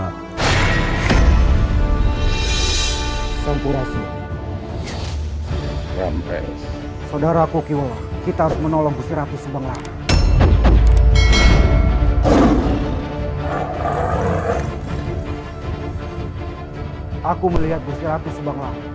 aku melihat bus r seratus sebangla